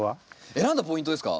選んだポイントですか？